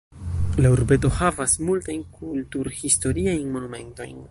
La urbeto havas multajn kultur-historiajn monumentojn.